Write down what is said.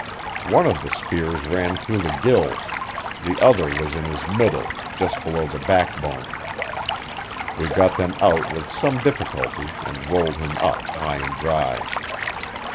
One of the spears ran through the gills; the other was in his middle, just below the backbone. We got them out with some difficulty and rolled him up high and dry.